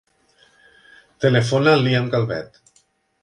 Telefona al Liam Calvet.